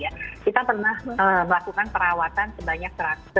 kita pernah melakukan perawatan sebanyak satu dua ratus tujuh puluh delapan